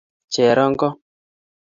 Cherongo